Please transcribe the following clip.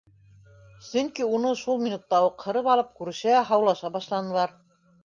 Сөнки уны шул минутта уҡ һырып алып күрешә, һаулаша башланылар.